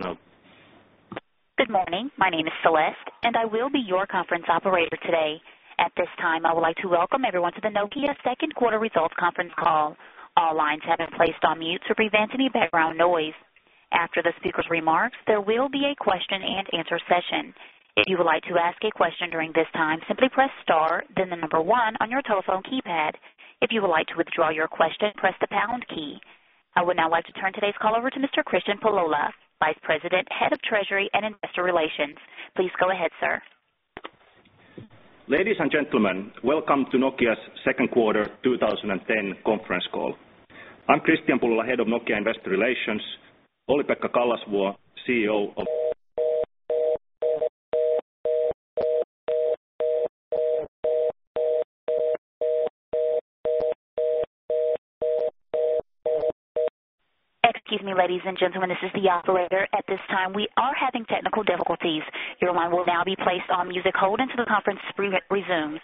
Good morning. My name is Celeste, and I will be your conference operator today. At this time, I would like to welcome everyone to the Nokia second quarter results conference call. All lines have been placed on mute to prevent any background noise. After the speaker's remarks, there will be a question-and-answer session. If you would like to ask a question during this time, simply press star, then the number one on your telephone keypad. If you would like to withdraw your question, press the pound key. I would now like to turn today's call over to Mr. Kristian Pullola, Vice President, Head of Treasury and Investor Relations. Please go ahead, sir. Ladies and gentlemen, welcome to Nokia's second quarter 2010 conference call. I'm Kristian Pullola, Head of Nokia Investor Relations, Olli-Pekka Kallasvuo, CEO of- Excuse me, ladies and gentlemen, this is the operator. At this time, we are having technical difficulties. Your line will now be placed on music hold until the conference re-resumes.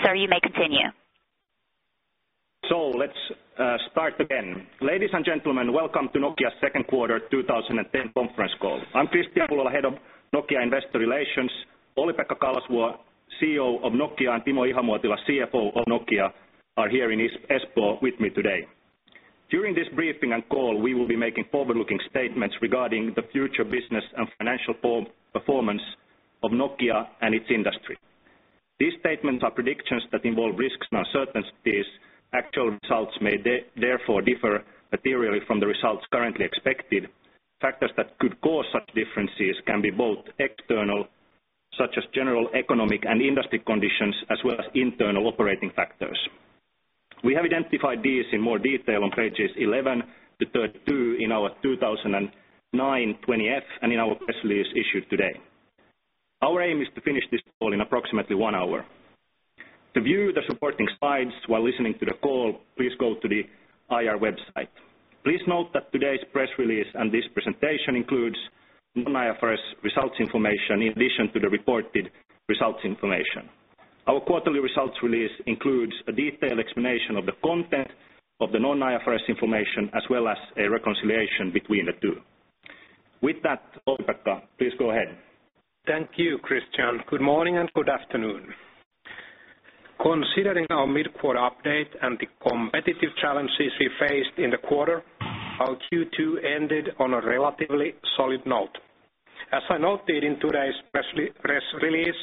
Sir, you may continue. Let's start again. Ladies and gentlemen, welcome to Nokia's second quarter 2010 conference call. I'm Kristian Pullola, Head of Nokia Investor Relations. Olli-Pekka Kallasvuo, CEO of Nokia, and Timo Ihamuotila, CFO of Nokia, are here in Espoo with me today. During this briefing and call, we will be making forward-looking statements regarding the future business and financial performance of Nokia and its industry. These statements are predictions that involve risks and uncertainties. Actual results may therefore differ materially from the results currently expected. Factors that could cause such differences can be both external, such as general economic and industry conditions, as well as internal operating factors. We have identified these in more detail on pages 11-13 in our 2009 20-F and in our press release issued today. Our aim is to finish this call in approximately one hour. To view the supporting slides while listening to the call, please go to the IR website. Please note that today's press release and this presentation includes Non-IFRS results information in addition to the reported results information. Our quarterly results release includes a detailed explanation of the content of the Non-IFRS information, as well as a reconciliation between the two. With that, Olli-Pekka, please go ahead. Thank you, Kristian. Good morning, and good afternoon. Considering our mid-quarter update and the competitive challenges we faced in the quarter, our Q2 ended on a relatively solid note. As I noted in today's press release,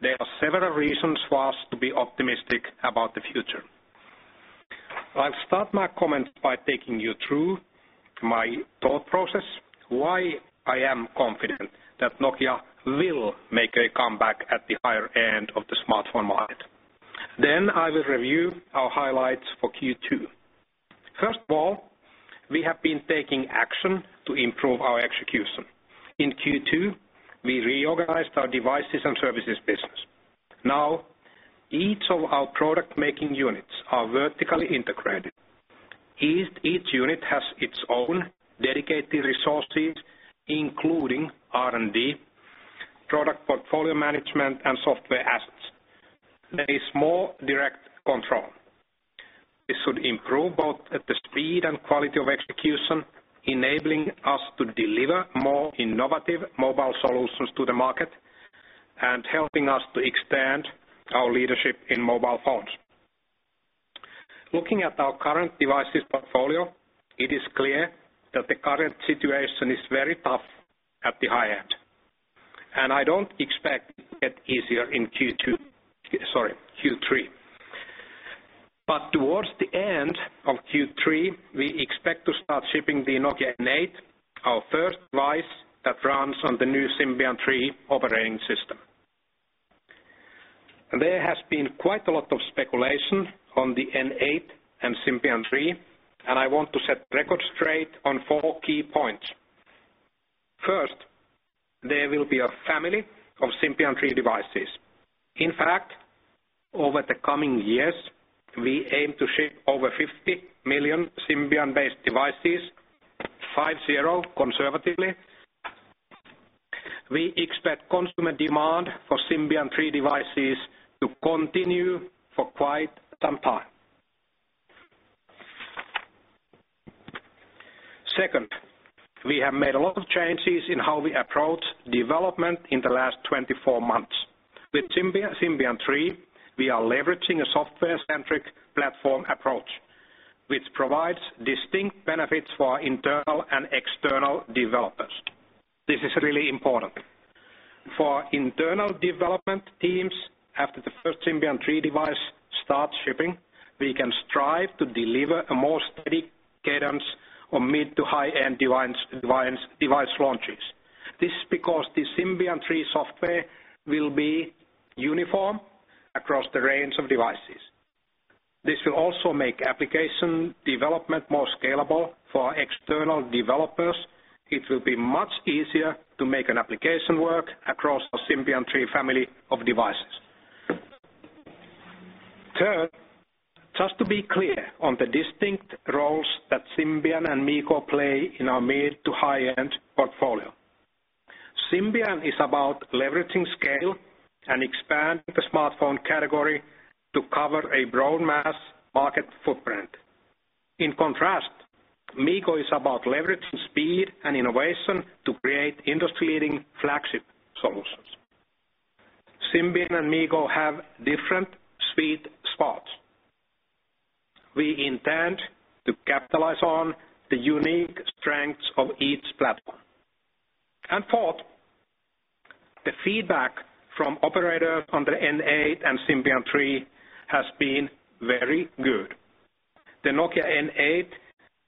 there are several reasons for us to be optimistic about the future. I'll start my comments by taking you through my thought process, why I am confident that Nokia will make a comeback at the higher end of the smartphone market. Then I will review our highlights for Q2. First of all, we have been taking action to improve our execution. In Q2, we reorganized our devices and services business. Now, each of our product-making units are vertically integrated. Each, each unit has its own dedicated resources, including R&D, product portfolio management, and software assets. There is more direct control. This should improve both the speed and quality of execution, enabling us to deliver more innovative mobile solutions to the market and helping us to extend our leadership in mobile phones. Looking at our current devices portfolio, it is clear that the current situation is very tough at the high end, and I don't expect it to get easier in Q2, sorry, Q3. But towards the end of Q3, we expect to start shipping the Nokia N8, our first device that runs on the new Symbian^3 operating system. There has been quite a lot of speculation on the N8 and Symbian^3, and I want to set the record straight on four key points. First, there will be a family of Symbian^3 devices. In fact, over the coming years, we aim to ship over 50 million Symbian-based devices, 50, conservatively. We expect consumer demand for Symbian^3 devices to continue for quite some time. Second, we have made a lot of changes in how we approach development in the last 24 months. With Symbian, Symbian^3, we are leveraging a software-centric platform approach, which provides distinct benefits for our internal and external developers. This is really important. For our internal development teams, after the first Symbian^3 device starts shipping, we can strive to deliver a more steady cadence on mid- to high-end device launches. This is because the Symbian^3 software will be uniform across the range of devices. This will also make application development more scalable for our external developers. It will be much easier to make an application work across the Symbian^3 family of devices. Third, just to be clear on the distinct roles that Symbian and MeeGo play in our mid- to high-end portfolio. Symbian is about leveraging scale and expanding the smartphone category to cover a broad mass market footprint. In contrast, MeeGo is about leveraging speed and innovation to create industry-leading flagship solutions. Symbian and MeeGo have different sweet spots. We intend to capitalize on the unique strengths of each platform. And fourth, the feedback from operators on the N8 and Symbian^3 has been very good. The Nokia N8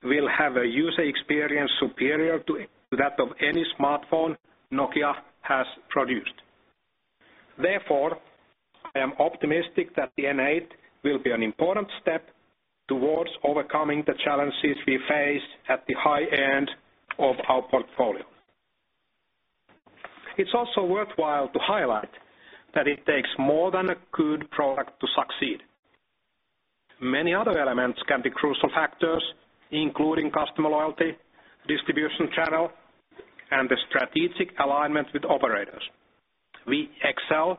will have a user experience superior to that of any smartphone Nokia has produced. Therefore, I am optimistic that the N8 will be an important step towards overcoming the challenges we face at the high end of our portfolio. It's also worthwhile to highlight that it takes more than a good product to succeed. Many other elements can be crucial factors, including customer loyalty, distribution channel, and the strategic alignment with operators. We excel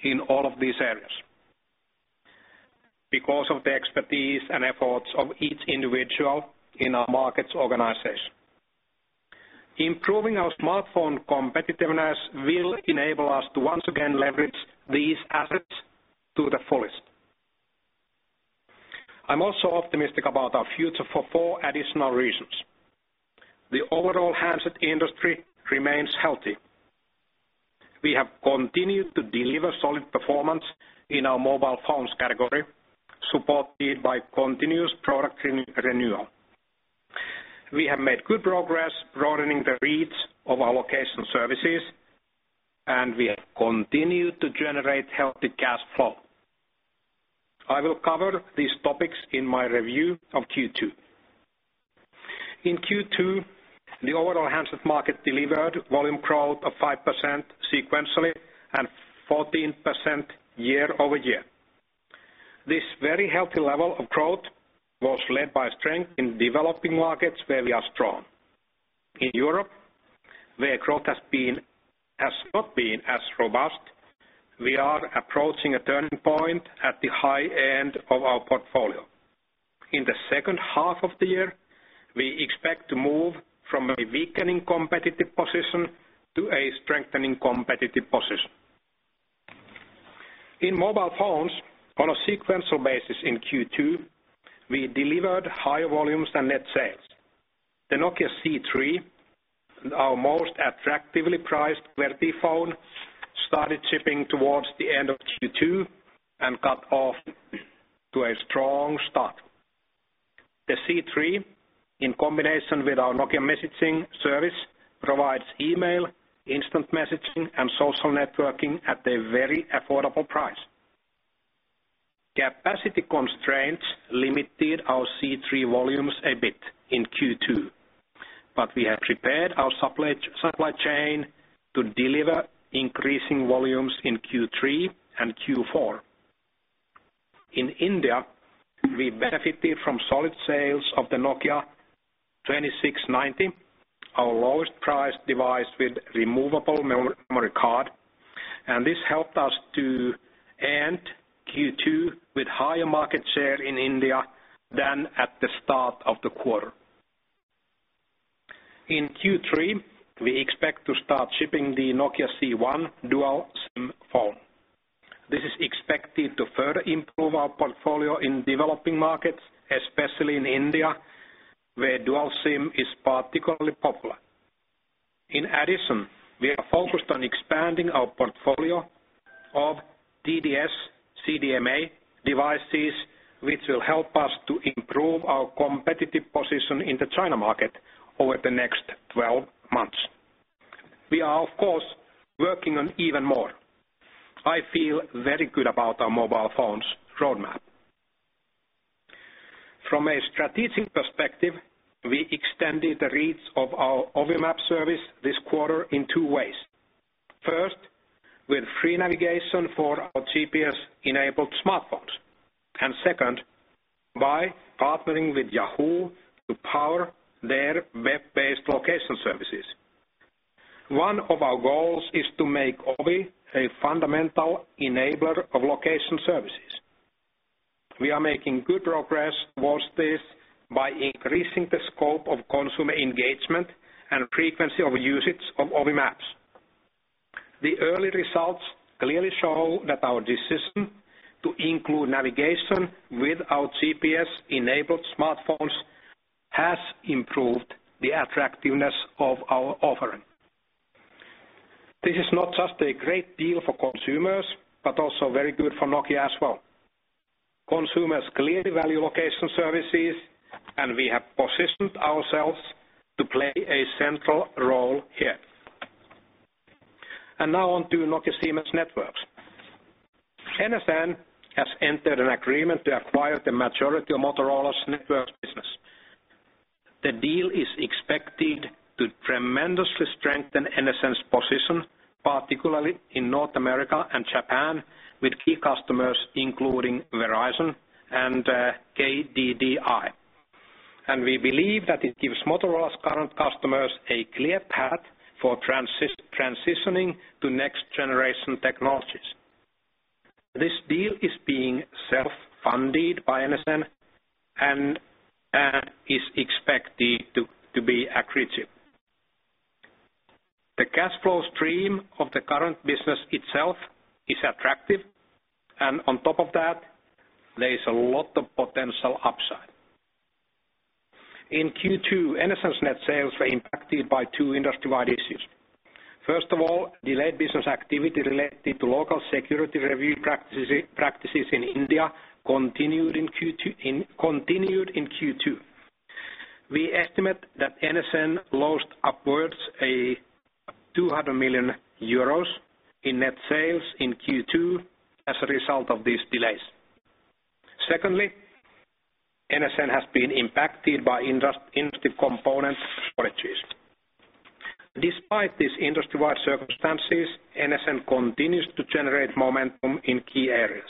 in all of these areas because of the expertise and efforts of each individual in our markets organization. Improving our smartphone competitiveness will enable us to once again leverage these assets to the fullest. I'm also optimistic about our future for four additional reasons. The overall handset industry remains healthy. We have continued to deliver solid performance in our mobile phones category, supported by continuous product renewal. We have made good progress broadening the reach of our location services, and we have continued to generate healthy cash flow. I will cover these topics in my review of Q2. In Q2, the overall handset market delivered volume growth of 5% sequentially and 14% year-over-year. This very healthy level of growth was led by strength in developing markets where we are strong. In Europe, where growth has not been as robust, we are approaching a turning point at the high end of our portfolio. In the second half of the year, we expect to move from a weakening competitive position to a strengthening competitive position. In mobile phones, on a sequential basis in Q2, we delivered higher volumes than net sales. The Nokia C3, our most attractively priced QWERTY phone, started shipping towards the end of Q2 and got off to a strong start. The C3, in combination with our Nokia messaging service, provides email, instant messaging, and social networking at a very affordable price. Capacity constraints limited our C3 volumes a bit in Q2, but we have prepared our supply chain to deliver increasing volumes in Q3 and Q4. In India, we benefited from solid sales of the Nokia 2690, our lowest-priced device with removable memory card, and this helped us to end Q2 with higher market share in India than at the start of the quarter. In Q3, we expect to start shipping the Nokia C1 Dual SIM phone. This is expected to further improve our portfolio in developing markets, especially in India, where Dual SIM is particularly popular. In addition, we are focused on expanding our portfolio of TD-SCDMA devices, which will help us to improve our competitive position in the China market over the next 12 months. We are, of course, working on even more. I feel very good about our mobile phones roadmap. From a strategic perspective, we extended the reach of our Ovi Maps service this quarter in two ways. First, with free navigation for our GPS-enabled smartphones, and second, by partnering with Yahoo to power their web-based location services. One of our goals is to make Ovi a fundamental enabler of location services. We are making good progress towards this by increasing the scope of consumer engagement and frequency of usage of Ovi Maps. The early results clearly show that our decision to include navigation with our GPS-enabled smartphones has improved the attractiveness of our offering. This is not just a great deal for consumers, but also very good for Nokia as well. Consumers clearly value location services, and we have positioned ourselves to play a central role here. And now on to Nokia Siemens Networks. NSN has entered an agreement to acquire the majority of Motorola's networks business. The deal is expected to tremendously strengthen NSN's position, particularly in North America and Japan, with key customers, including Verizon and KDDI. We believe that it gives Motorola's current customers a clear path for transitioning to next-generation technologies. This deal is being self-funded by NSN and is expected to be accretive. The cash flow stream of the current business itself is attractive, and on top of that, there is a lot of potential upside. In Q2, NSN's net sales were impacted by two industry-wide issues. First of all, delayed business activity related to local security review practices in India continued in Q2. We estimate that NSN lost upwards of 200 million euros in net sales in Q2 as a result of these delays. Secondly, NSN has been impacted by industry component shortages. Despite these industry-wide circumstances, NSN continues to generate momentum in key areas.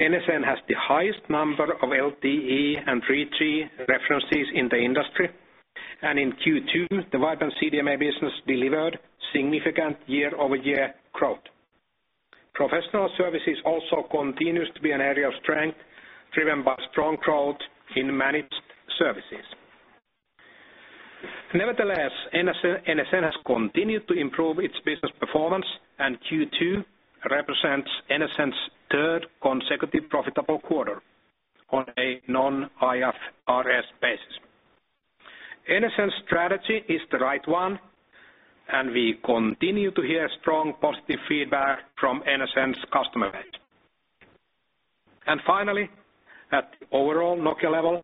NSN has the highest number of LTE and 3G references in the industry, and in Q2, the WCDMA business delivered significant year-over-year growth. Professional services also continues to be an area of strength, driven by strong growth in managed services. Nevertheless, NSN has continued to improve its business performance, and Q2 represents NSN's third consecutive profitable quarter on a non-IFRS basis. NSN's strategy is the right one, and we continue to hear strong, positive feedback from NSN's customer base. And finally, at the overall Nokia level,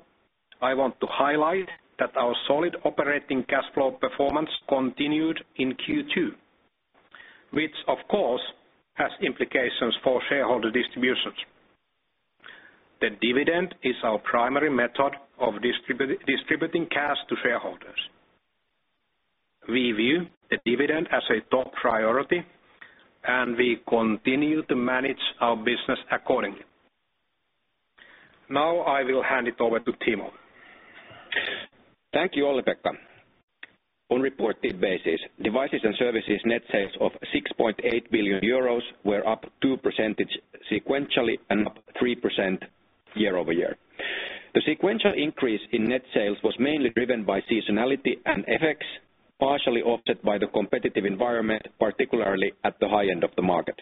I want to highlight that our solid operating cash flow performance continued in Q2, which, of course, has implications for shareholder distributions. The dividend is our primary method of distributing cash to shareholders. We view the dividend as a top priority, and we continue to manage our business accordingly. Now, I will hand it over to Timo. Thank you, Olli-Pekka. On reported basis, devices and services net sales of 6.8 billion euros were up 2% sequentially and up 3% year-over-year. The sequential increase in net sales was mainly driven by seasonality and FX, partially offset by the competitive environment, particularly at the high end of the market.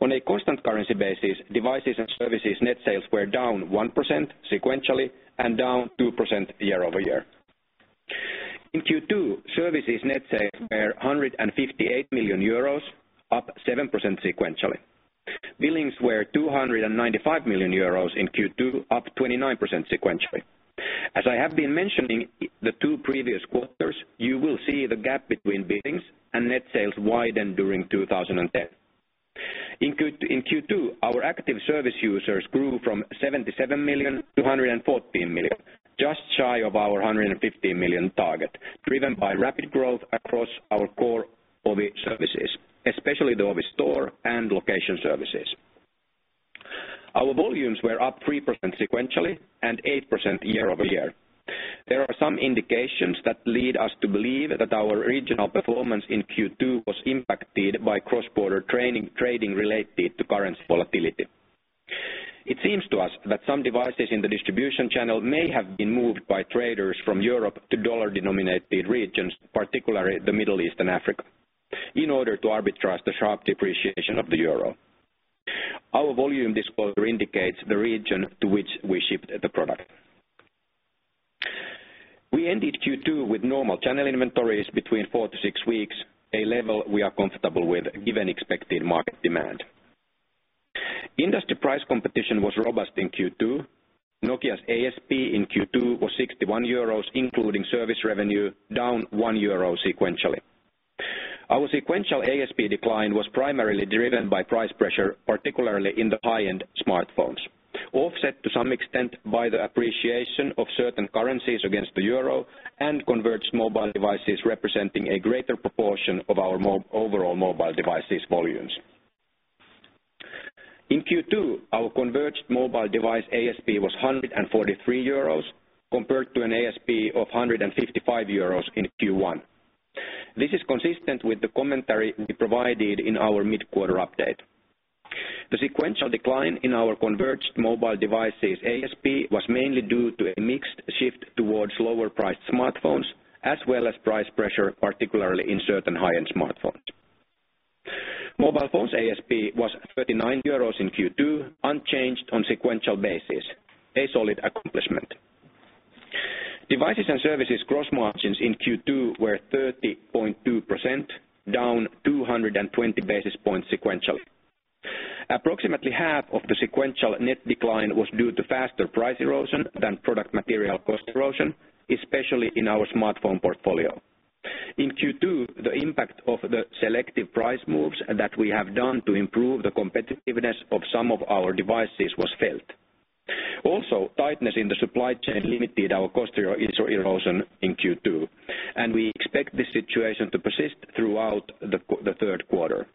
On a constant currency basis, devices and services net sales were down 1% sequentially and down 2% year-over-year. In Q2, services net sales were 158 million euros, up 7% sequentially. Billings were 295 million euros in Q2, up 29% sequentially. As I have been mentioning the two previous quarters, you will see the gap between billings and net sales widen during 2010. In Q2, our active service users grew from 77 million to 114 million, just shy of our 150 million target, driven by rapid growth across our core Ovi services, especially the Ovi Store and location services. Our volumes were up 3% sequentially and 8% year-over-year. There are some indications that lead us to believe that our regional performance in Q2 was impacted by cross-border trading related to currency volatility. It seems to us that some devices in the distribution channel may have been moved by traders from Europe to dollar-denominated regions, particularly the Middle East and Africa, in order to arbitrage the sharp depreciation of the euro. Our volume disclosure indicates the region to which we shipped the product. We ended Q2 with normal channel inventories between four-six weeks, a level we are comfortable with, given expected market demand. Industry price competition was robust in Q2. Nokia's ASP in Q2 was 61 euros, including service revenue, down 1 euro sequentially. Our sequential ASP decline was primarily driven by price pressure, particularly in the high-end smartphones, offset to some extent by the appreciation of certain currencies against the euro and converged mobile devices, representing a greater proportion of our overall mobile devices volumes. In Q2, our converged mobile device ASP was 143 euros, compared to an ASP of 155 euros in Q1. This is consistent with the commentary we provided in our mid-quarter update. The sequential decline in our converged mobile devices' ASP was mainly due to a mix shift towards lower-priced smartphones, as well as price pressure, particularly in certain high-end smartphones. Mobile phones ASP was 39 euros in Q2, unchanged on sequential basis, a solid accomplishment. Devices and services gross margins in Q2 were 30.2%, down 220 basis points sequentially. Approximately half of the sequential net decline was due to faster price erosion than product material cost erosion, especially in our smartphone portfolio. In Q2, the impact of the selective price moves that we have done to improve the competitiveness of some of our devices was felt. Also, tightness in the supply chain limited our cost erosion in Q2, and we expect this situation to persist throughout the third quarter.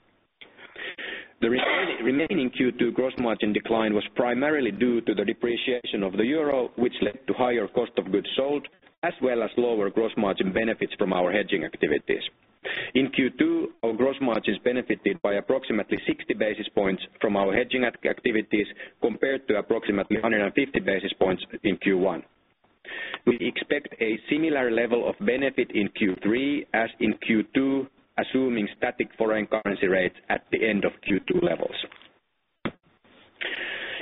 The remaining Q2 gross margin decline was primarily due to the depreciation of the euro, which led to higher cost of goods sold, as well as lower gross margin benefits from our hedging activities. In Q2, our gross margins benefited by approximately 60 basis points from our hedging activities, compared to approximately 150 basis points in Q1. We expect a similar level of benefit in Q3 as in Q2, assuming static foreign currency rates at the end of Q2 levels.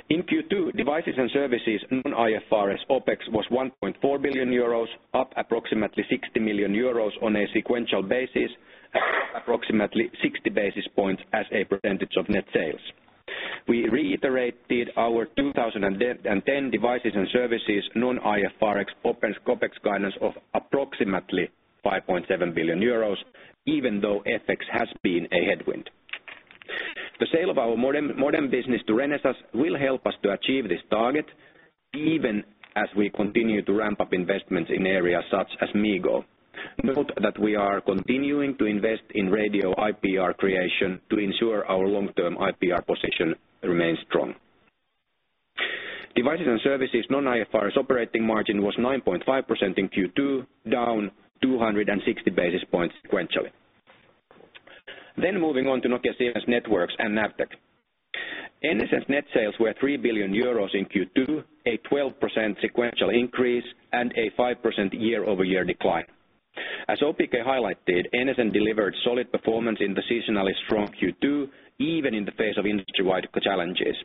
In Q2, devices and services non-IFRS OpEx was 1.4 billion euros, up approximately 60 million euros on a sequential basis, approximately 60 basis points as a percentage of net sales. We reiterated our 2010 devices and services non-IFRS OpEx guidance of approximately 5.7 billion euros, even though FX has been a headwind. The sale of our modem business to Renesas will help us to achieve this target, even as we continue to ramp up investments in areas such as MeeGo. Note that we are continuing to invest in radio IPR creation to ensure our long-term IPR position remains strong. Devices and services non-IFRS operating margin was 9.5% in Q2, down 260 basis points sequentially. Moving on to Nokia Siemens Networks and Navteq. NSN net sales were 3 billion euros in Q2, a 12% sequential increase, and a 5% year-over-year decline. As OPK highlighted, NSN delivered solid performance in the seasonally strong Q2, even in the face of industry-wide challenges.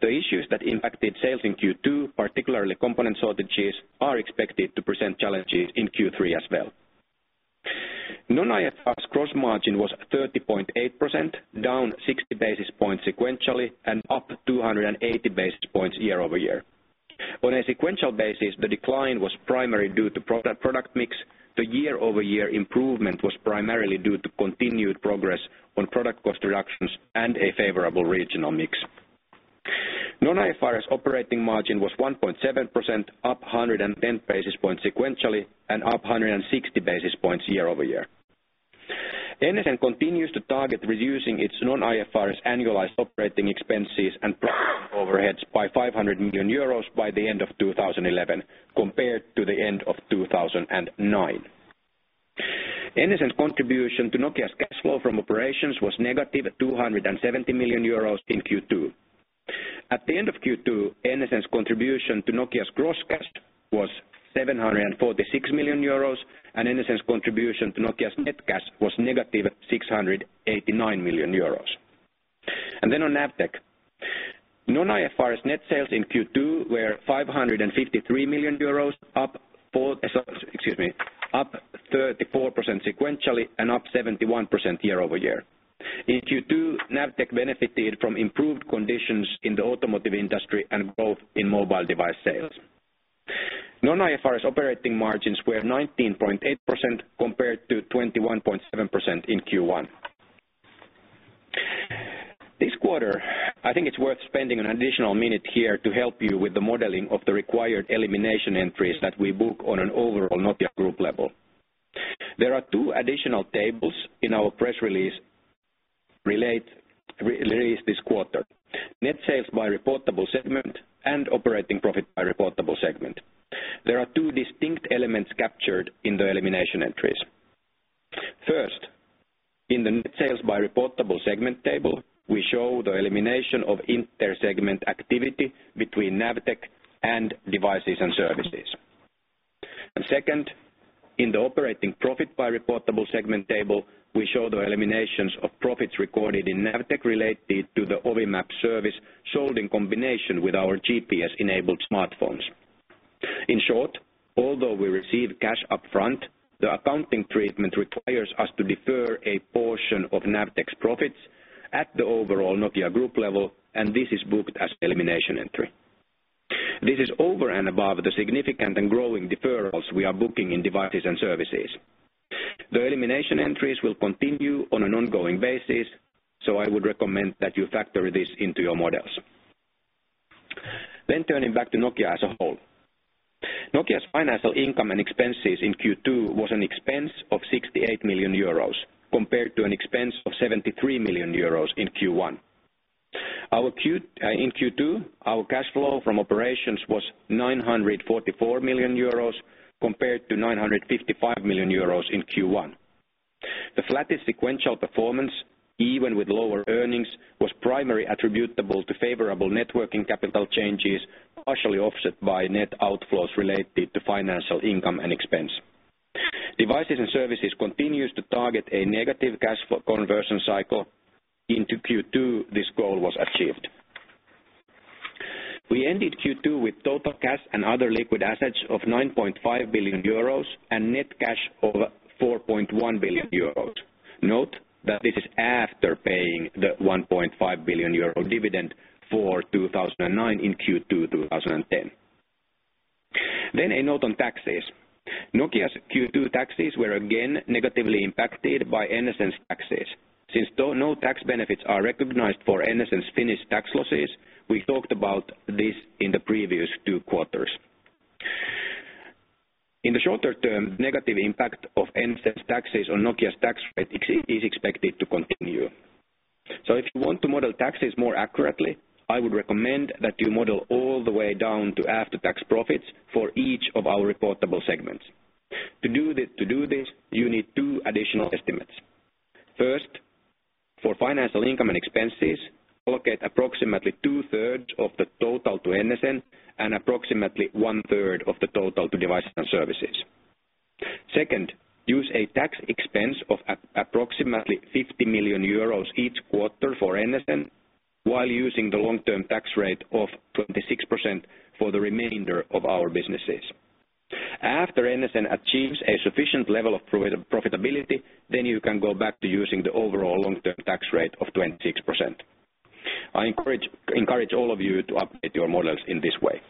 The issues that impacted sales in Q2, particularly component shortages, are expected to present challenges in Q3 as well. Non-IFRS gross margin was 30.8%, down 60 basis points sequentially, and up 280 basis points year-over-year. On a sequential basis, the decline was primarily due to product mix. The year-over-year improvement was primarily due to continued progress on product cost reductions and a favorable regional mix. Non-IFRS operating margin was 1.7%, up 110 basis points sequentially, and up 160 basis points year over year. NSN continues to target reducing its non-IFRS annualized operating expenses and overheads by 500 million euros by the end of 2011, compared to the end of 2009. NSN's contribution to Nokia's cash flow from operations was -270 million euros in Q2. At the end of Q2, NSN's contribution to Nokia's gross cash was 746 million euros, and NSN's contribution to Nokia's net cash was -689 million euros. Then on Navteq, non-IFRS net sales in Q2 were 553 million euros, up 4%, excuse me, up 34% sequentially and up 71% year-over-year. In Q2, Navteq benefited from improved conditions in the automotive industry and growth in mobile device sales. Non-IFRS operating margins were 19.8%, compared to 21.7% in Q1. This quarter, I think it's worth spending an additional minute here to help you with the modeling of the required elimination entries that we book on an overall Nokia group level. There are two additional tables in our press release, related, released this quarter. Net sales by reportable segment and operating profit by reportable segment. There are two distinct elements captured in the elimination entries. First, in the net sales by reportable segment table, we show the elimination of inter-segment activity between Navteq and Devices and Services. Second, in the operating profit by reportable segment table, we show the eliminations of profits recorded in Navteq related to the Ovi Maps service, sold in combination with our GPS-enabled smartphones. In short, although we receive cash upfront, the accounting treatment requires us to defer a portion of Navteq's profits at the overall Nokia group level, and this is booked as elimination entry. This is over and above the significant and growing deferrals we are booking in Devices and Services. The elimination entries will continue on an ongoing basis, so I would recommend that you factor this into your models. Turning back to Nokia as a whole. Nokia's financial income and expenses in Q2 was an expense of 68 million euros, compared to an expense of 73 million euros in Q1. In Q2, our cash flow from operations was 944 million euros, compared to 955 million euros in Q1. The flattest sequential performance, even with lower earnings, was primarily attributable to favorable working capital changes, partially offset by net outflows related to financial income and expense. Devices and services continues to target a negative cash conversion cycle into Q2, this goal was achieved. We ended Q2 with total cash and other liquid assets of 9.5 billion euros and net cash of 4.1 billion euros. Note that this is after paying the 1.5 billion euro dividend for 2009 in Q2 2010. A note on taxes. Nokia's Q2 taxes were again negatively impacted by NSN's taxes. Since no tax benefits are recognized for NSN's Finnish tax losses, we talked about this in the previous two quarters. In the shorter term, negative impact of NSN's taxes on Nokia's tax rate is expected to continue. So if you want to model taxes more accurately, I would recommend that you model all the way down to after-tax profits for each of our reportable segments. To do this, you need two additional estimates. First, for financial income and expenses, allocate approximately two-thirds of the total to NSN and approximately one-third of the total to devices and services. Second, use a tax expense of approximately 50 million euros each quarter for NSN, while using the long-term tax rate of 26% for the remainder of our businesses. After NSN achieves a sufficient level of profitability, then you can go back to using the overall long-term tax rate of 26%. I encourage all of you to update your models in this way.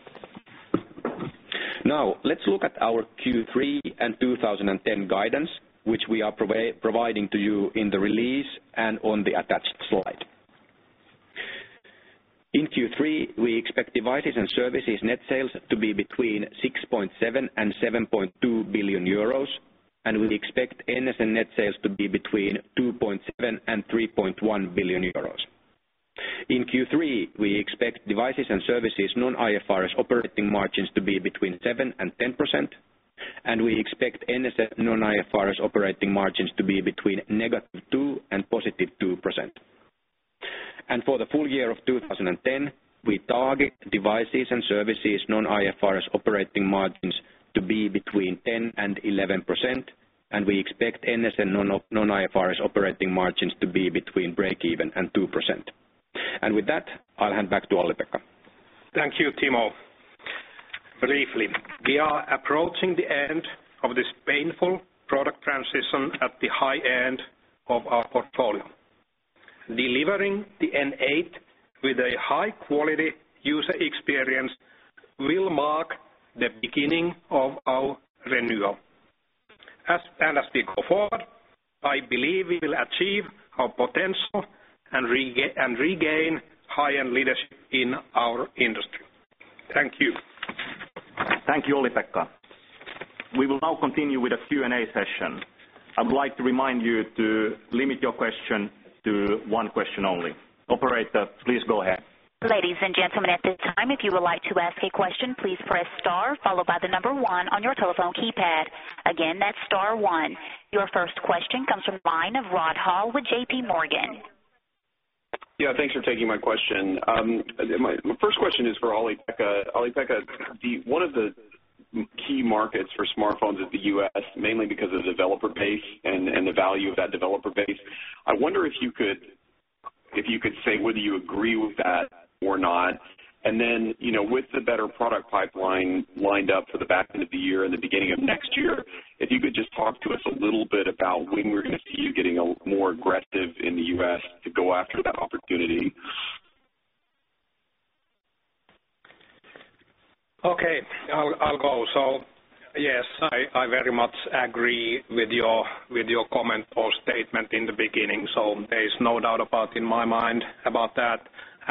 Now, let's look at our Q3 and 2010 guidance, which we are providing to you in the release and on the attached slide. In Q3, we expect devices and services net sales to be between 6.7 billion and 7.2 billion euros, and we expect NSN net sales to be between 2.7 billion and 3.1 billion euros. In Q3, we expect devices and services non-IFRS operating margins to be between 7% and 10%, and we expect NSN non-IFRS operating margins to be between -2% and +2%. For the full year of 2010, we target devices and services non-IFRS operating margins to be between 10% and 11%, and we expect NSN non-IFRS operating margins to be between breakeven and 2%. With that, I'll hand back to Olli-Pekka. Thank you, Timo. Briefly, we are approaching the end of this painful product transition at the high end of our portfolio. Delivering the N8 with a high-quality user experience will mark the beginning of our renewal. As we go forward, I believe we will achieve our potential and regain high-end leadership in our industry. Thank you. Thank you, Olli-Pekka. We will now continue with a Q&A session. I would like to remind you to limit your question to one question only. Operator, please go ahead. Ladies and gentlemen, at this time, if you would like to ask a question, please press star, followed by the number one on your telephone keypad. Again, that's star one. Your first question comes from the line of Rod Hall with JPMorgan. Yeah, thanks for taking my question. My first question is for Olli-Pekka. Olli-Pekka, one of the key markets for smartphones is the U.S., mainly because of the developer base and the value of that developer base. I wonder if you could say whether you agree with that or not, and then, you know, with the better product pipeline lined up for the back end of the year and the beginning of next year, if you could just talk to us a little bit about when we're going to see you getting a more aggressive in the U.S. to go after that opportunity? Okay, I'll go. So, yes, I very much agree with your comment or statement in the beginning, so there is no doubt about in my mind about that.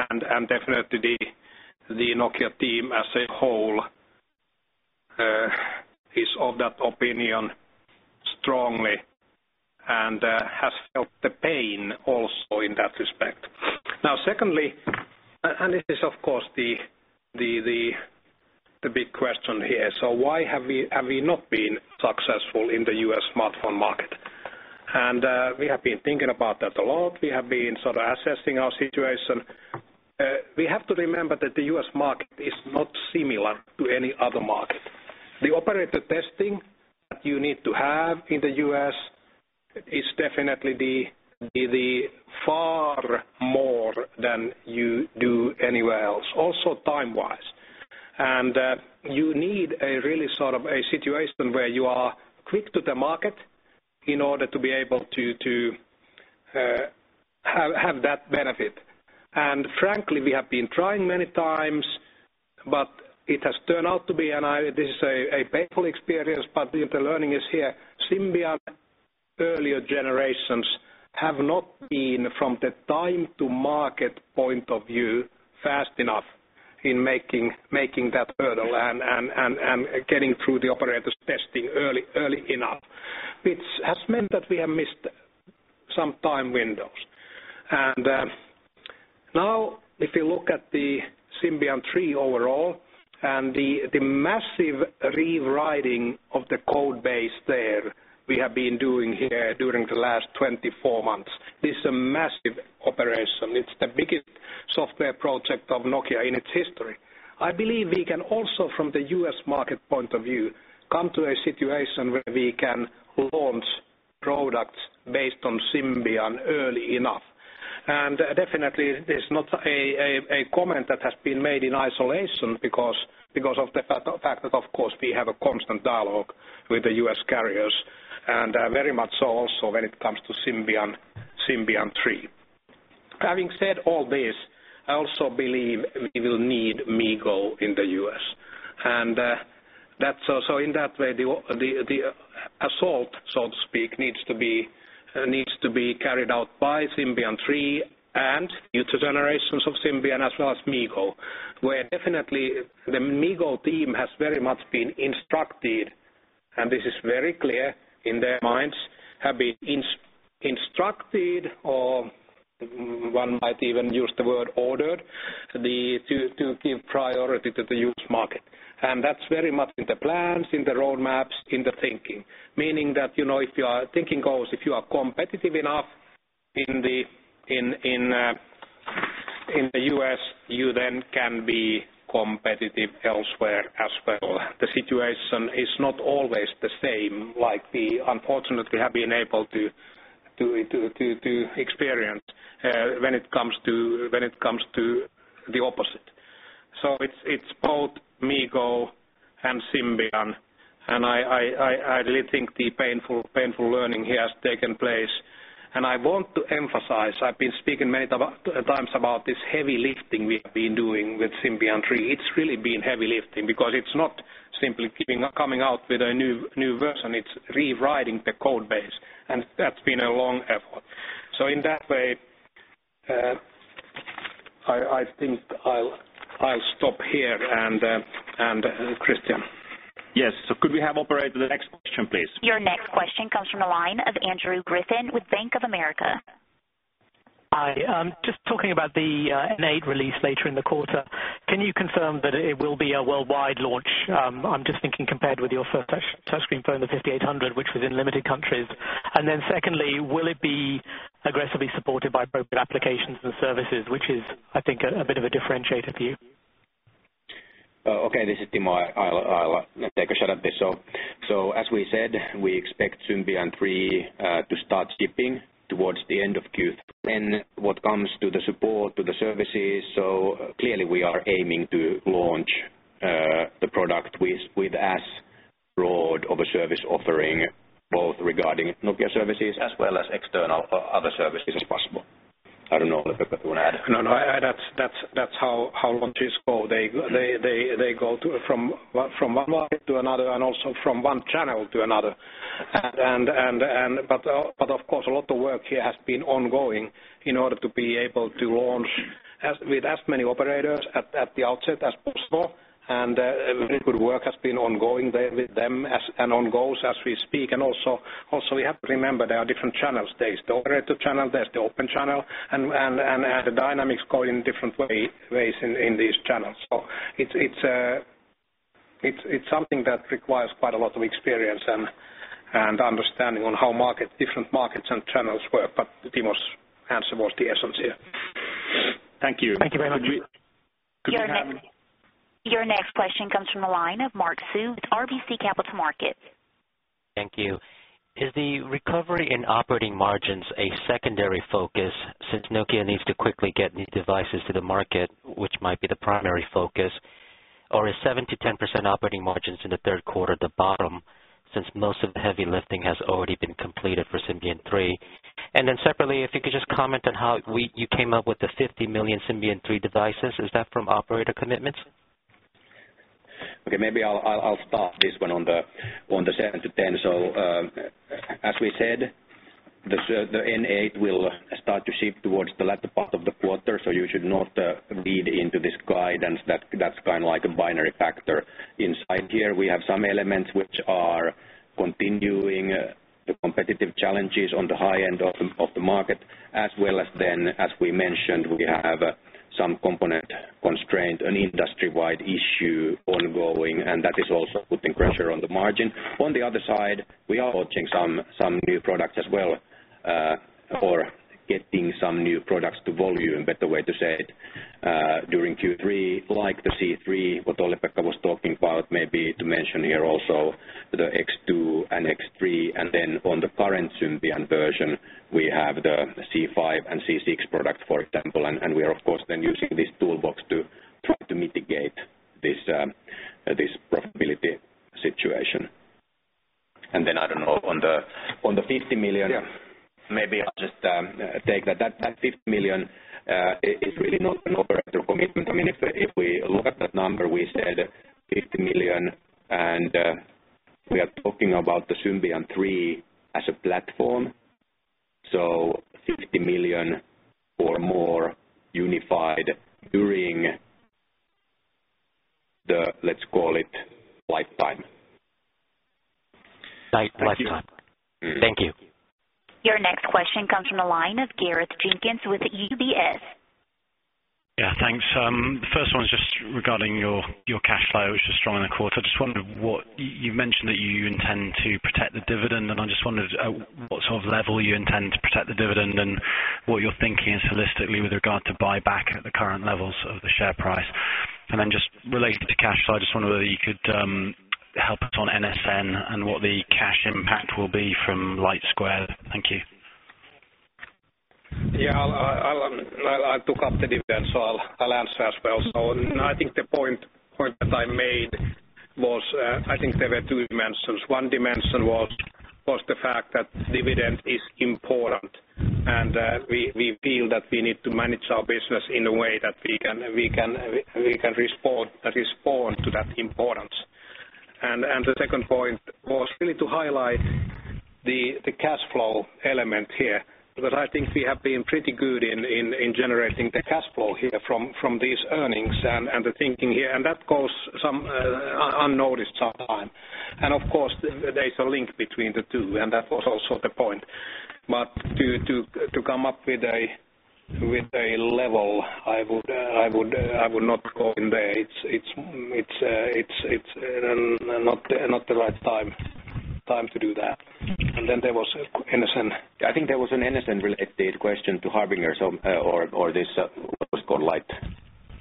And definitely, the Nokia team as a whole is of that opinion strongly and has felt the pain also in that respect. Now, secondly, and this is, of course, the big question here. So why have we not been successful in the U.S. smartphone market? And we have been thinking about that a lot. We have been sort of assessing our situation. We have to remember that the U.S. market is not similar to any other market. The operator testing that you need to have in the U.S. is definitely the far more than you do anywhere else, also time-wise. You need a really sort of a situation where you are quick to the market in order to be able to have that benefit. Frankly, we have been trying many times, but it has turned out to be a painful experience, but the learning is here. Symbian^3 earlier generations have not been, from the time to market point of view, fast enough in making that hurdle and getting through the operators testing early enough, which has meant that we have missed some time windows. Now, if you look at the Symbian^3 overall and the massive rewriting of the code base there we have been doing here during the last 24 months, this is a massive operation. It's the biggest software project of Nokia in its history. I believe we can also, from the U.S. market point of view, come to a situation where we can launch products based on Symbian early enough. Definitely, it is not a comment that has been made in isolation because of the fact that, of course, we have a constant dialogue with the U.S. carriers, and very much so also when it comes to Symbian, Symbian^3. Having said all this, I also believe we will need MeeGo in the U.S., and that's so in that way, the, the assault, so to speak, needs to be carried out by Symbian^3 and future generations of Symbian as well as MeeGo, where definitely the MeeGo team has very much been instructed, and this is very clear in their minds, have been instructed, or one might even use the word ordered, to give priority to the U.S. market. And that's very much in the plans, in the roadmaps, in the thinking. Meaning that, you know, if you are thinking goes, if you are competitive enough in the U.S., you then can be competitive elsewhere as well. The situation is not always the same, like we unfortunately have been able to to experience, when it comes to, when it comes to the opposite. So it's, it's both MeeGo and Symbian, and I really think the painful learning here has taken place. And I want to emphasize, I've been speaking many times about this heavy lifting we have been doing with Symbian^3. It's really been heavy lifting because it's not simply coming out with a new version, it's rewriting the code base, and that's been a long effort. So in that way, I think I'll stop here, and Kristian. Yes. So, could we have, operator, the next question, please? Your next question comes from the line of Andrew Griffin with Bank of America. Hi. Just talking about the N8 release later in the quarter, can you confirm that it will be a worldwide launch? I'm just thinking compared with your first touch screen phone, the 5800, which was in limited countries. And then secondly, will it be aggressively supported by appropriate applications and services, which is, I think, a bit of a differentiator for you? Okay, this is Timo. I'll take a shot at this. As we said, we expect Symbian^3 to start shipping towards the end of Q3. Then what comes to the support, to the services, so clearly we are aiming to launch the product with as broad of a service offering, both regarding Nokia services as well as external other services as possible. I don't know if Olli-Pekka want to add. No, that's how launches go. They go from one market to another, and also from one channel to another. But of course, a lot of work here has been ongoing in order to be able to launch with as many operators at the outset as possible. And very good work has been ongoing there with them, and ongoing as we speak. And also, we have to remember there are different channels. There is the operator channel, there's the open channel, and the dynamics go in different ways in these channels. So it's something that requires quite a lot of experience and understanding on how different markets and channels work, but Timo's answer was the essence here. Thank you. Thank you very much. Could we- Your next- Could we have- Your next question comes from the line of Mark Sue with RBC Capital Markets. Thank you. Is the recovery in operating margins a secondary focus, since Nokia needs to quickly get new devices to the market, which might be the primary focus? Or is 7%-10% operating margins in the third quarter the bottom, since most of the heavy lifting has already been completed for Symbian^3? And then separately, if you could just comment on how you came up with the 50 million Symbian^3 devices. Is that from operator commitments? Okay, maybe I'll start this one on the 7-10. So, as we said, the N8 will start to ship towards the latter part of the quarter, so you should not read into this guidance. That's kind of like a binary factor. Inside here, we have some elements which are continuing the competitive challenges on the high end of the market, as well as then, as we mentioned, we have some component constraint, an industry-wide issue ongoing, and that is also putting pressure on the margin. On the other side, we are launching some new products as well, or getting some new products to volume, better way to say it, during Q3, like the C3, what Olli-Pekka was talking about, maybe to mention here also the X2 and X3. And then on the current Symbian version, we have the C5 and C6 product, for example. And we are, of course, then using this toolbox to try to mitigate this profitability situation. And then I don't know, on the 50 million- Yeah. Maybe I'll just take that. That, that 50 million is really not an operator commitment. I mean, if, if we look at that number, we said 50 million, and we are talking about the Symbian^3 as a platform, so 50 million or more unified during the, let's call it, lifetime. Life lifetime. Mm-hmm. Thank you. Your next question comes from the line of Gareth Jenkins with UBS. Yeah, thanks. The first one is just regarding your cash flow, which is strong in the quarter. I just wondered what... You mentioned that you intend to protect the dividend, and I just wondered at what sort of level you intend to protect the dividend, and what you're thinking holistically with regard to buyback at the current levels of the share price? ...And then just related to the cash side, I just wonder whether you could, help us on NSN and what the cash impact will be from LightSquared. Thank you. Yeah, I'll talk up the dividend, so I'll answer as well. So I think the point that I made was, I think there were two dimensions. One dimension was the fact that dividend is important, and we feel that we need to manage our business in a way that we can respond to that importance. And the second point was really to highlight the cash flow element here, because I think we have been pretty good in generating the cash flow here from these earnings and the thinking here, and that goes some unnoticed sometime. And of course, there's a link between the two, and that was also the point. But to come up with a level, I would not go in there. It's not the right time to do that. And then there was NSN. I think there was an NSN-related question to Harbinger, so or this, what was called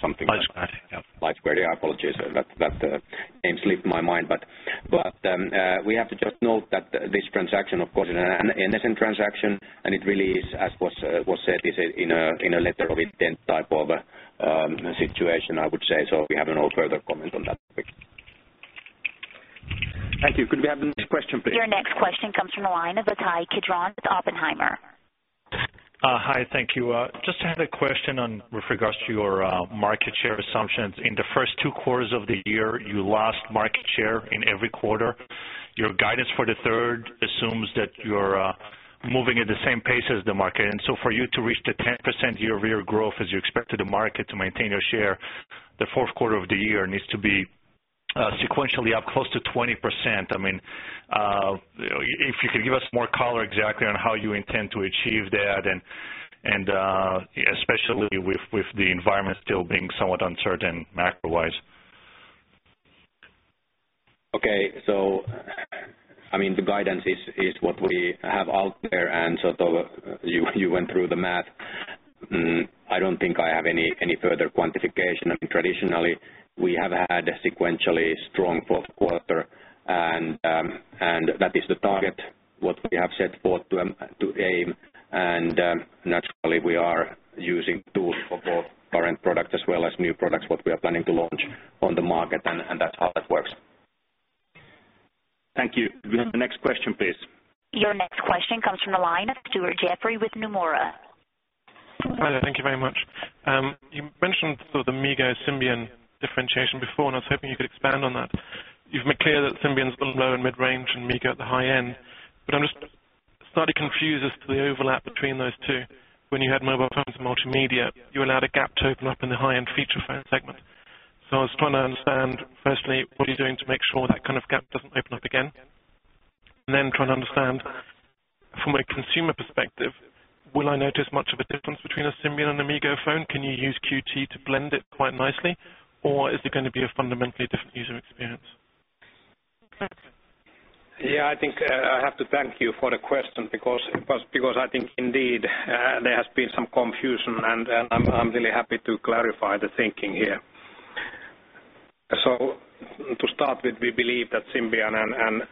LightSquared? LightSquared. LightSquared, yeah, apologies. That name slipped my mind. But we have to just note that this transaction, of course, is an NSN transaction, and it really is, as was said, in a letter of intent type of situation, I would say. So we have no further comment on that topic. Thank you. Could we have the next question, please? Your next question comes from the line of Ittai Kidron with Oppenheimer. Hi, thank you. Just had a question on with regards to your market share assumptions. In the first two quarters of the year, you lost market share in every quarter. Your guidance for the third assumes that you're moving at the same pace as the market. And so for you to reach the 10% year-over-year growth as you expect to the market to maintain your share, the fourth quarter of the year needs to be sequentially up close to 20%. I mean, if you could give us more color exactly on how you intend to achieve that, and, especially with the environment still being somewhat uncertain macro-wise. Okay. So, I mean, the guidance is what we have out there, and so though you went through the math, I don't think I have any further quantification. I mean, traditionally, we have had a sequentially strong fourth quarter, and that is the target, what we have set forth to aim. And, naturally, we are using tools for both current products as well as new products, what we are planning to launch on the market, and that's how that works. Thank you. We have the next question, please. Your next question comes from the line of Stuart Jeffrey with Nomura. Hi, there. Thank you very much. You mentioned sort of the MeeGo/Symbian differentiation before, and I was hoping you could expand on that. You've made clear that Symbian's build low and mid-range and MeeGo at the high end, but I'm just slightly confused as to the overlap between those two. When you had mobile phones and multimedia, you allowed a gap to open up in the high-end feature phone segment. So I was trying to understand, firstly, what are you doing to make sure that kind of gap doesn't open up again? And then trying to understand from a consumer perspective, will I notice much of a difference between a Symbian and a MeeGo phone? Can you use Qt to blend it quite nicely, or is it going to be a fundamentally different user experience? Yeah, I think I have to thank you for the question because I think indeed there has been some confusion, and I'm really happy to clarify the thinking here. So to start with, we believe that Symbian and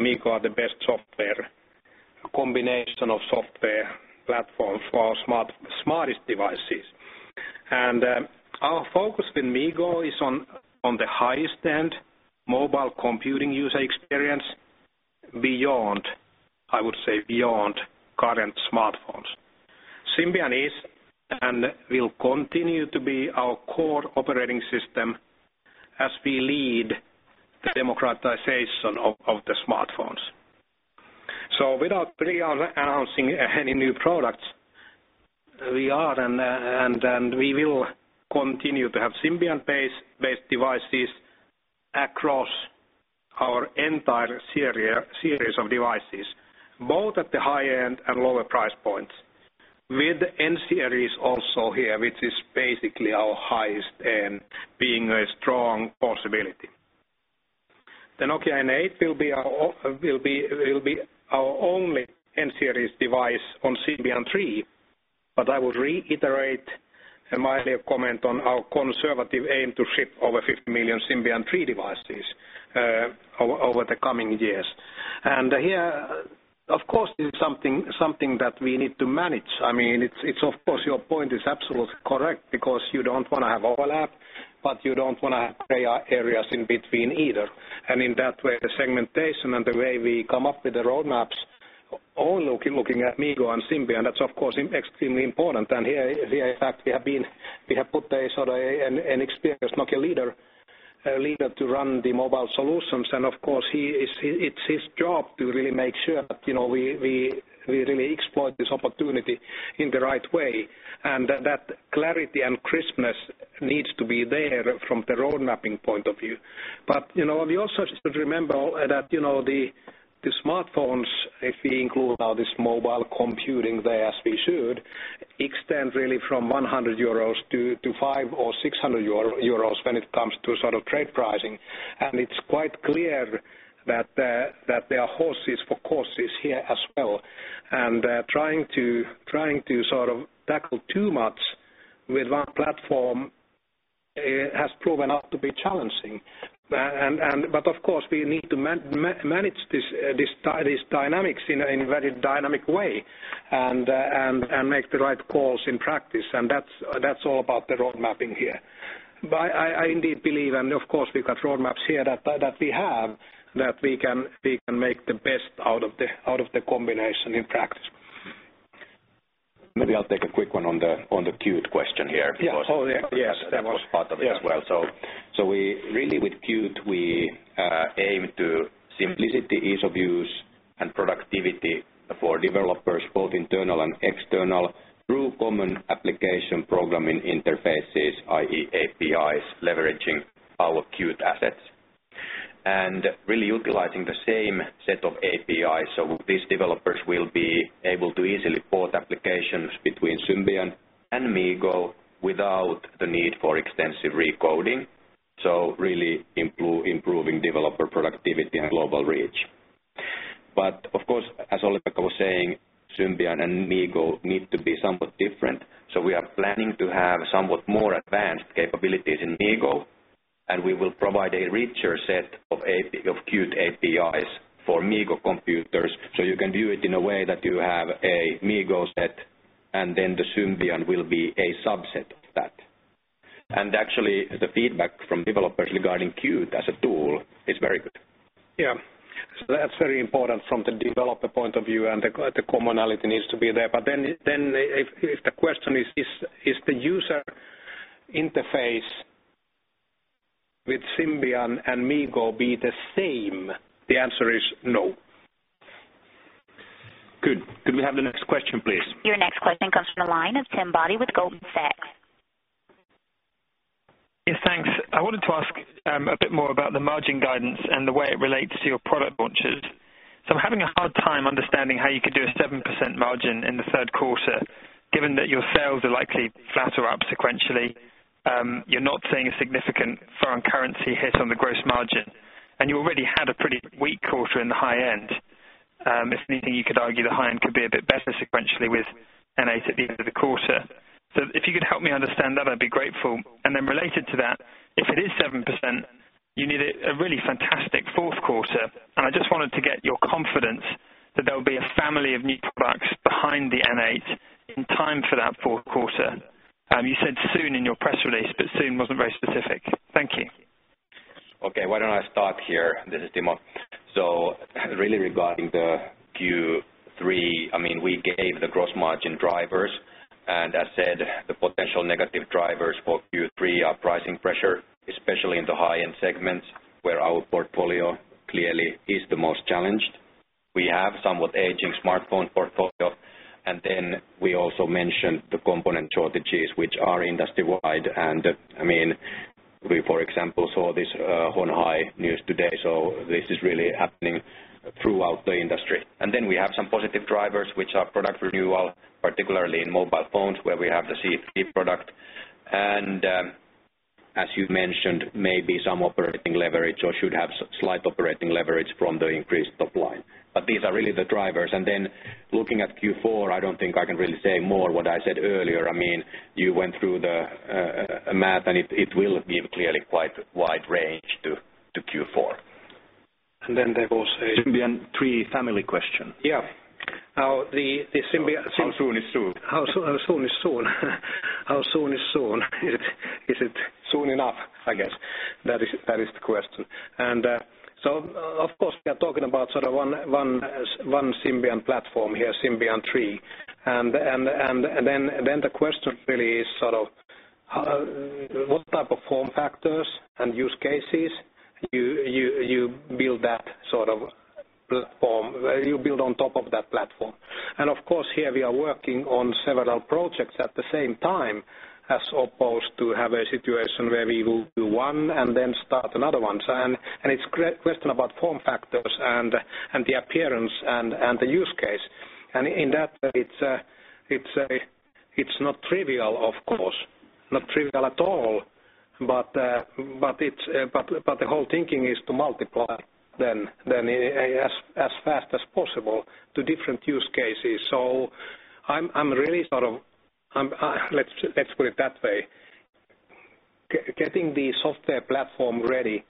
MeeGo are the best software combination of software platforms for smartest devices. And our focus in MeeGo is on the highest end mobile computing user experience beyond, I would say, beyond current smartphones. Symbian is and will continue to be our core operating system as we lead the democratization of the smartphones. So without pre-announcing any new products, we are and we will continue to have Symbian-based devices across our entire series of devices, both at the high end and lower price points, with N Series also here, which is basically our highest end being a strong possibility. The Nokia N8 will be our only N Series device on Symbian^3, but I would reiterate my earlier comment on our conservative aim to ship over 50 million Symbian^3 devices over the coming years. And here, of course, it's something that we need to manage. I mean, it's of course your point is absolutely correct because you don't want to have overlap, but you don't want to have gray areas in between either. And in that way, the segmentation and the way we come up with the roadmaps, all looking at MeeGo and Symbian, that's of course extremely important. And here, in fact, we have put a sort of an experienced Nokia leader to run the mobile solutions. And of course, it's his job to really make sure that, you know, we really exploit this opportunity in the right way, and that clarity and crispness needs to be there from the road mapping point of view. But, you know, we also should remember that, you know, the smartphones, if we include all this mobile computing there, as we should, extend really from 100 euros to 500-600 euros when it comes to sort of trade pricing. And it's quite clear that there are horses for courses here as well... and trying to sort of tackle too much with one platform, it has proven out to be challenging. And but of course, we need to manage this dynamics in a very dynamic way and make the right calls in practice, and that's all about the road mapping here. But I indeed believe, and of course, we've got roadmaps here, that we have that we can make the best out of the combination in practice. Maybe I'll take a quick one on the Qt question here. Yeah. Oh, yes, that was- Part of it as well. So we really, with Qt, we aim to simplicity, ease of use and productivity for developers, both internal and external, through common application programming interfaces, i.e., APIs, leveraging our Qt assets. And really utilizing the same set of APIs, so these developers will be able to easily port applications between Symbian and MeeGo without the need for extensive recoding. So really improving developer productivity and global reach. But of course, as Olli-Pekka was saying, Symbian and MeeGo need to be somewhat different. So we are planning to have somewhat more advanced capabilities in MeeGo, and we will provide a richer set of Qt APIs for MeeGo computers. So you can do it in a way that you have a MeeGo set, and then the Symbian will be a subset of that. Actually, the feedback from developers regarding Qt as a tool is very good. Yeah. So that's very important from the developer point of view, and the commonality needs to be there. But then if the question is, is the user interface with Symbian and MeeGo be the same? The answer is no. Good. Could we have the next question, please? Your next question comes from the line of Tim Boddy with Goldman Sachs. Yes, thanks. I wanted to ask, a bit more about the margin guidance and the way it relates to your product launches. So I'm having a hard time understanding how you could do a 7% margin in the third quarter, given that your sales are likely flat or up sequentially. You're not seeing a significant foreign currency hit on the gross margin, and you already had a pretty weak quarter in the high end. If anything, you could argue the high end could be a bit better sequentially with N8 at the end of the quarter. So if you could help me understand that, I'd be grateful. And then related to that, if it is 7%, you need a really fantastic fourth quarter. I just wanted to get your confidence that there will be a family of new products behind the N8 in time for that fourth quarter. You said soon in your press release, but soon wasn't very specific. Thank you. Okay, why don't I start here? This is Timo. So really, regarding the Q3, I mean, we gave the gross margin drivers, and as said, the potential negative drivers for Q3 are pricing pressure, especially in the high-end segments, where our portfolio clearly is the most challenged. We have somewhat aging smartphone portfolio, and then we also mentioned the component shortages, which are industry-wide. And, I mean, we, for example, saw this Hon Hai news today, so this is really happening throughout the industry. And then we have some positive drivers, which are product renewal, particularly in mobile phones, where we have the C3 product. And, as you mentioned, maybe some operating leverage or should have slight operating leverage from the increased top line. But these are really the drivers. And then looking at Q4, I don't think I can really say more what I said earlier. I mean, you went through the math, and it will be clearly quite wide range to Q4. And then there was a- Symbian^3 family question. Yeah. Now, the Symbian- How soon is soon? How, how soon is soon? How soon is soon? Is it- Soon enough, I guess. That is the question. So of course, we are talking about sort of one Symbian platform here, Symbian^3. And then the question really is sort of: how what type of form factors and use cases you build that sort of platform you build on top of that platform? And of course, here we are working on several projects at the same time, as opposed to have a situation where we will do one and then start another one. So it's a question about form factors and the appearance and the use case. And in that, it's, it's not trivial, of course, not trivial at all. But it's... But the whole thinking is to multiply as fast as possible to different use cases. So I'm really sort of... let's put it that way. Getting the software platform ready,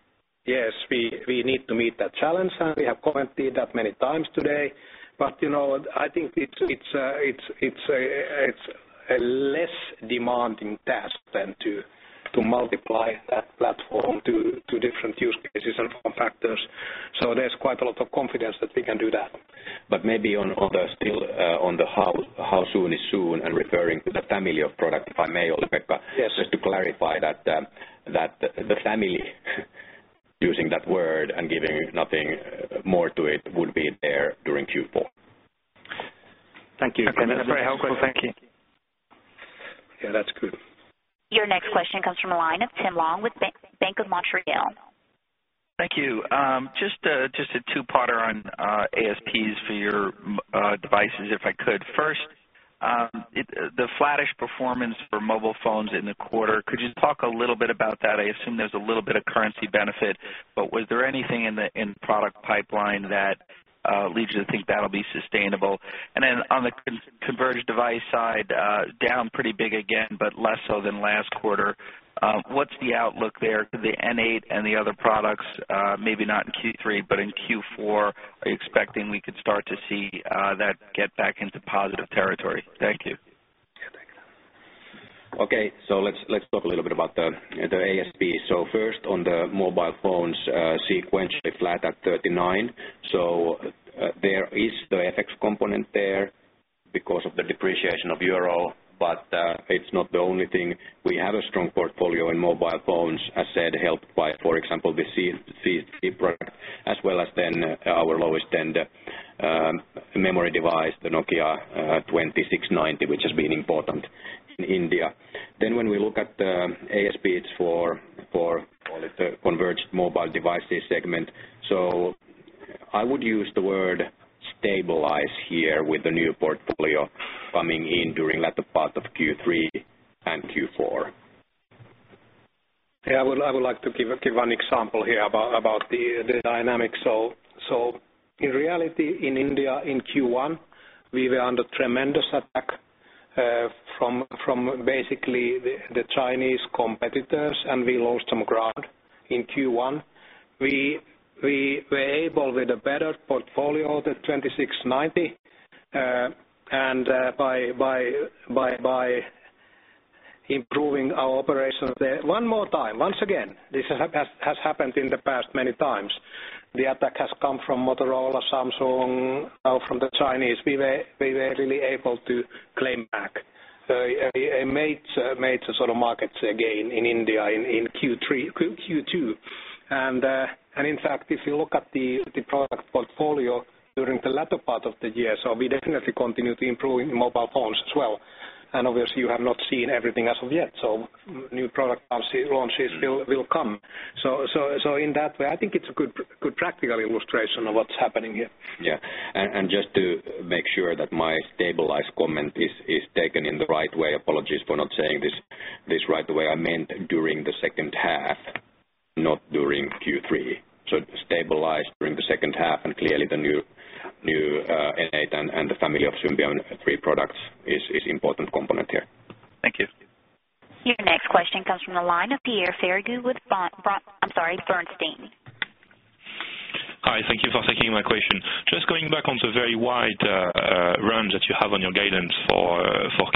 yes, we need to meet that challenge, and we have commented that many times today. But, you know, I think it's a less demanding task than to multiply that platform to different use cases and form factors. So there's quite a lot of confidence that we can do that. But maybe on the still on the how soon is soon, and referring to the family of product, if I may, Olli-Pekka. Yes. Just to clarify that the family, using that word and giving nothing more to it, would be there during Q4. Thank you. Okay, that's very helpful. Thank you. Yeah, that's good. Your next question comes from the line of Tim Long with Bank of Montreal. Thank you. Just a two-parter on ASPs for your devices, if I could. The flattish performance for mobile phones in the quarter, could you talk a little bit about that? I assume there's a little bit of currency benefit, but was there anything in the product pipeline that leads you to think that'll be sustainable? And then on the converged device side, down pretty big again, but less so than last quarter. What's the outlook there for the N8 and the other products? Maybe not in Q3, but in Q4, are you expecting we could start to see that get back into positive territory? Thank you. Okay, so let's talk a little bit about the ASP. So first, on the mobile phones, sequentially flat at 39. So, there is the FX component there because of the depreciation of euro, but it's not the only thing. We have a strong portfolio in mobile phones, as said, helped by, for example, the C3 product, as well as then our lowest end memory device, the Nokia 2690, which has been important in India. Then when we look at the ASPs for call it the converged mobile devices segment, so I would use the word stabilize here with the new portfolio coming in during latter part of Q3 and Q4. Yeah, I would like to give one example here about the dynamics. So in reality, in India, in Q1, we were under tremendous attack from basically the Chinese competitors, and we lost some ground in Q1. We were able, with a better portfolio, the 2690, and by improving our operations there. One more time, once again, this has happened in the past many times. The attack has come from Motorola, Samsung, or from the Chinese. We were really able to claim back a major sort of markets again in India in Q2-Q3. And in fact, if you look at the product portfolio during the latter part of the year, so we definitely continue to improving mobile phones as well. Obviously, you have not seen everything as of yet, so new product launches will come. So in that way, I think it's a good practical illustration of what's happening here. Yeah. And just to make sure that my stabilized comment is taken in the right way, apologies for not saying this right away. I meant during the second half, not during Q3. So stabilized during the second half, and clearly the new N8 and the family of Symbian^3 products is important component here. Thank you. Your next question comes from the line of Pierre Ferragu with, I'm sorry, Bernstein. Hi, thank you for taking my question. Just going back on to very wide range that you have on your guidance for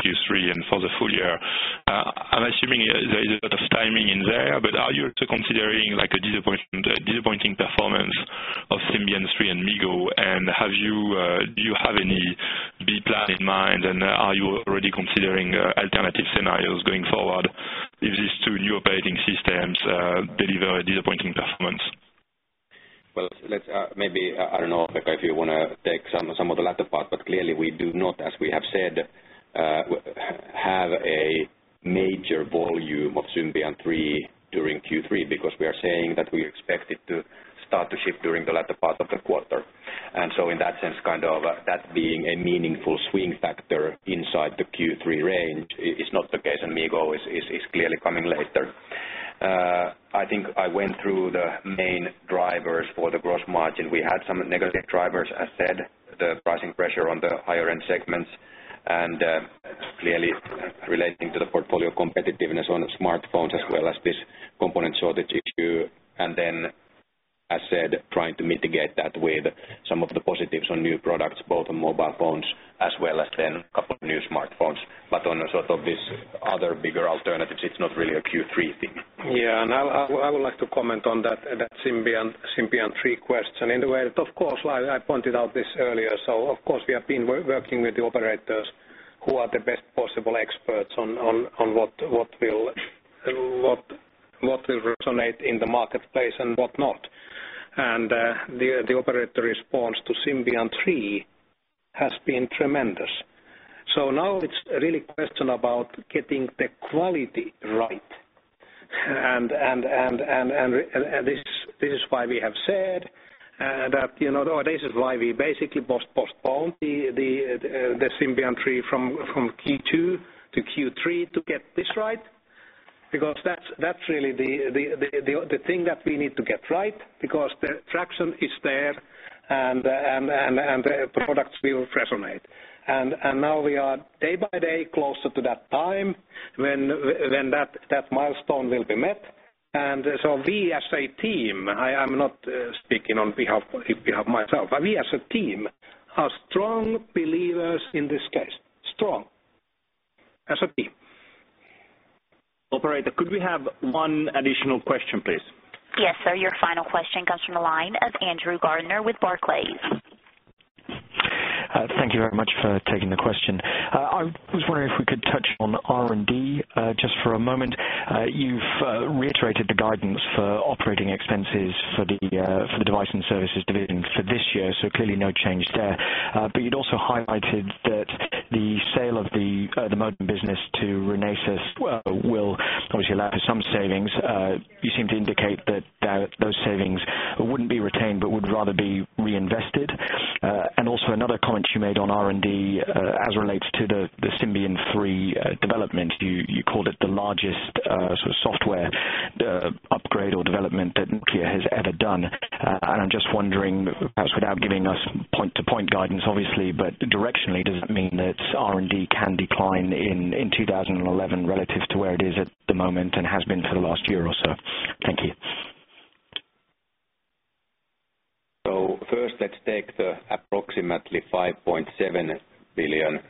Q3 and for the full year. I'm assuming there is a lot of timing in there, but are you also considering, like, a disappointment-disappointing performance of Symbian^3 and MeeGo, and have you, do you have any Plan B in mind? And are you already considering alternative scenarios going forward if these two new operating systems deliver a disappointing performance? Well, let's maybe, I don't know, Pekka, if you wanna take some of the latter part, but clearly we do not, as we have said, have a major volume of Symbian^3 during Q3, because we are saying that we expect it to start to ship during the latter part of the quarter. And so in that sense, kind of that being a meaningful swing factor inside the Q3 range is not the case, and MeeGo is clearly coming later. I think I went through the main drivers for the gross margin. We had some negative drivers, as said, the pricing pressure on the higher end segments, and clearly relating to the portfolio competitiveness on smartphones as well as this component shortage issue. And then, as said, trying to mitigate that with some of the positives on new products, both on mobile phones as well as then a couple of new smartphones. But on a sort of this other bigger alternatives, it's not really a Q3 thing. Yeah, and I would like to comment on that Symbian^3 question. And well, of course, I pointed out this earlier, so of course, we have been working with the operators who are the best possible experts on what will resonate in the marketplace and what not. And the operator response to Symbian^3 has been tremendous. So now it's really a question about getting the quality right. And this is why we have said, that you know, this is why we basically postponed the Symbian^3 from Q2 to Q3 to get this right, because that's really the thing that we need to get right, because the traction is there, and the products will resonate. And now we are day by day closer to that time when that milestone will be met. And so we as a team, I'm not speaking on behalf of myself, but we as a team are strong believers in this case. Strong, as a team. Operator, could we have one additional question, please? Yes, sir. Your final question comes from the line of Andrew Gardiner with Barclays. Thank you very much for taking the question. I was wondering if we could touch on R&D just for a moment. You've reiterated the guidance for operating expenses for the device and services division for this year, so clearly no change there. You'd also highlighted that the sale of the modem business to Renesas will obviously allow for some savings. You seem to indicate that those savings wouldn't be retained, but would rather be reinvested. Also, another comment you made on R&D as it relates to the Symbian^3 development. You called it the largest sort of software upgrade or development that Nokia has ever done. I'm just wondering, perhaps without giving us point-to-point guidance, obviously, but directionally, does it mean that R&D can decline in 2011 relative to where it is at the moment and has been for the last year or so? Thank you. So first, let's take the approximately 5.7 billion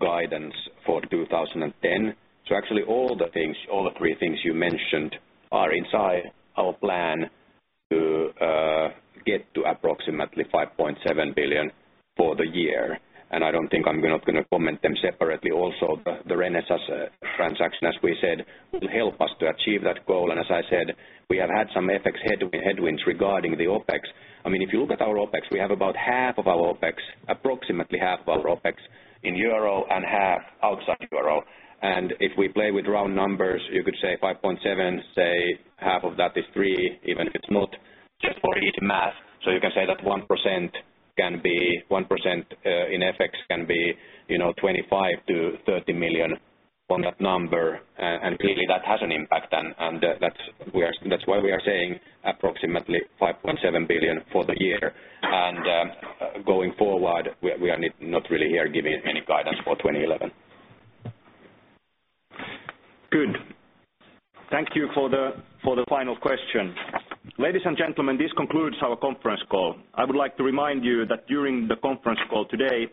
guidance for 2010. So actually, all the things, all the three things you mentioned are inside our plan to get to approximately 5.7 billion for the year, and I don't think I'm not gonna comment them separately. Also, the Renesas transaction, as we said, will help us to achieve that goal. And as I said, we have had some FX headwinds regarding the OpEx. I mean, if you look at our OpEx, we have about half of our OpEx, approximately half of our OpEx, in euro and half outside euro. And if we play with round numbers, you could say 5.7, say, half of that is 3, even if it's not, just for easy math. So you can say that 1% can be, 1%, in FX can be, you know, 25-30 million on that number. And clearly, that has an impact on, and, that's, we are, that's why we are saying approximately 5.7 billion for the year. And, going forward, we are, we are not really here giving any guidance for 2011. Good. Thank you for the final question. Ladies and gentlemen, this concludes our conference call. I would like to remind you that during the conference call today,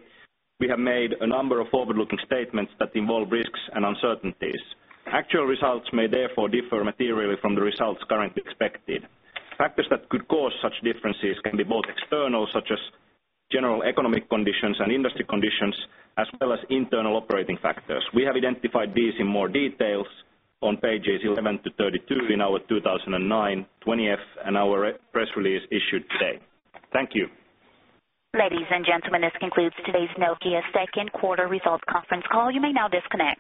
we have made a number of forward-looking statements that involve risks and uncertainties. Actual results may therefore differ materially from the results currently expected. Factors that could cause such differences can be both external, such as general economic conditions and industry conditions, as well as internal operating factors. We have identified these in more details on pages 11-32 in our 2009 20-F and our press release issued today. Thank you. Ladies and gentlemen, this concludes today's Nokia second quarter results conference call. You may now disconnect.